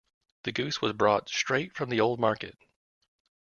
The goose was brought straight from the old market.